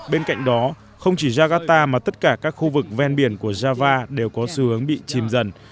bên cạnh đó không chỉ jakarta mà tất cả các khu vực ven biển của java đều có xu hướng bị chìm dần